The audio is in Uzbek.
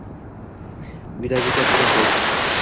Uydagi gap uyda qolsin